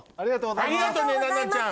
ありがとね奈々ちゃん。